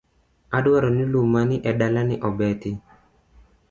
Adwaro ni lum ma ni edala ni obeti